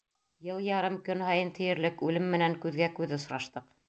Йыл ярым көн һайын тиерлек үлем менән күҙгә-күҙ осраштыҡ.